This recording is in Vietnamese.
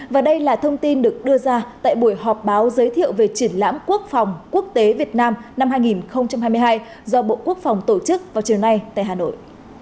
và đây là thông tin được đưa ra tại buổi họp báo giới thiệu về triển lãm quốc phòng quốc tế việt nam năm hai nghìn hai mươi hai do bộ quốc phòng tổ chức vào chiều nay tại hà nội